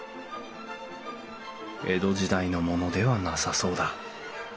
江戸時代のものではなさそうだ。